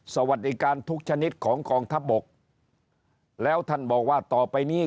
สวัสดีการทุกชนิดของกองทัพบกแล้วท่านบอกว่าต่อไปนี้